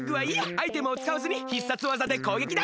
アイテムをつかわずに必殺技でこうげきだ！